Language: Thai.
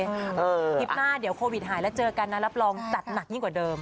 คลิปหน้าเดี๋ยวโควิดหายแล้วเจอกันนะรับรองจัดหนักยิ่งกว่าเดิม